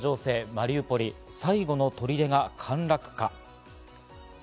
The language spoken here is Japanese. マリウポリ、最後の砦が陥落か。